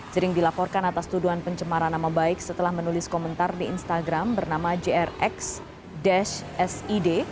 jering dilaporkan atas tuduhan pencemaran nama baik setelah menulis komentar di instagram bernama jrx desh sid